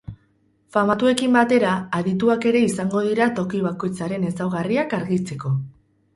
Famatuekin batera, adituak ere izango dira toki bakoitzaren ezaugarriak argitzeko.